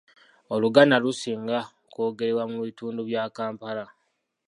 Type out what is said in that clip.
Oluganda lusinga kwogerebwa mu bitundu bya Kampala.